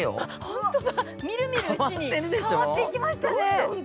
本当だ、みるみるうちに変わっていきましたね。